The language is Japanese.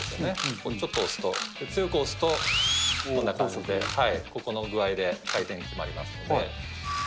これちょっと押すと、強く押すとこんな感じで、ここの具合で回転が決まりますんで。